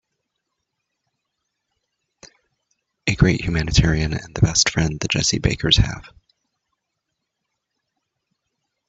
A great humanitarian and the best friend the Jessie Bakers have.